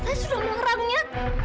saya sudah mengharangnya